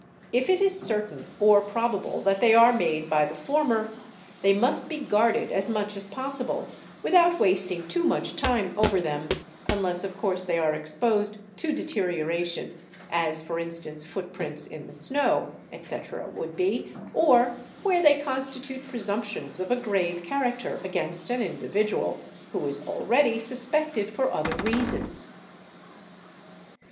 If it is certain or probable lat they are made by the former, they must be guarded as much as ossible, without wasting too much time over them; unless of course 710 THEFT they are exposed to deterioration, as for instance foot prints in the snow, etc., would be, or where they constitute presumptions of a grave charac ter against an individual who is already suspected for other reasons.